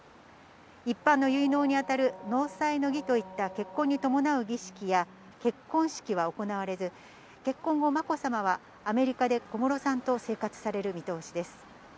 一般の結納に当たる納采の儀といった結婚に伴う儀式や、結婚式は行われず、結婚後、まこさまは、アメリカで小室さんと生活される見通しです。